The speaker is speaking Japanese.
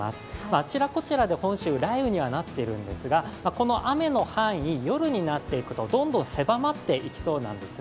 あちらこちらで本州、雷雨にはなっているんですがこの雨の範囲、夜になっていくとどんどん狭まっていきそうなんです。